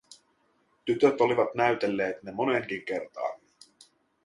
Tytöt olivat näytelleet ne moneenkin kertaan.